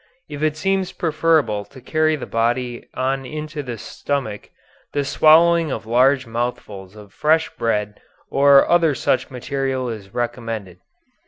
If it seems preferable to carry the body on into the stomach, the swallowing of large mouthfuls of fresh bread or other such material is recommended.